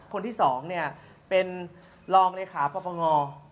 คนที่สองเป็นรองเลยขาพปะงอ